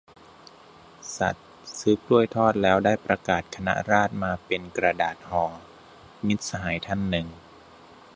"สัส ซื้อกล้วยทอดแล้วได้ประกาศคณะราษฎรมาเป็นกระดาษห่อ" - มิตรสหายท่านหนึ่ง